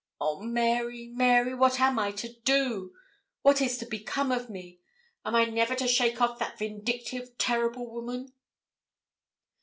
Oh, Mary, Mary, what am I to do? what is to become of me? Am I never to shake off that vindictive, terrible woman?'